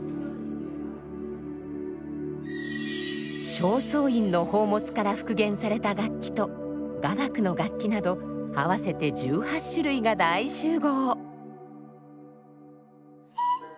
正倉院の宝物から復元された楽器と雅楽の楽器など合わせて１８種類が大集合。